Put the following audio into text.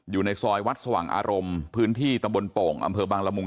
อยู่ในซอยวัดสว่างอารมณ์พื้นที่ตำบลโป่งอำเภอบางละมุง